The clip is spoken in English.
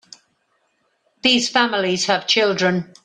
These families have children.